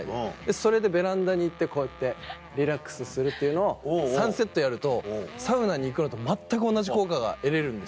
それでベランダに行ってこうやってリラックスするっていうのを３セットやるとサウナに行くのと全く同じ効果が得れるんですよ。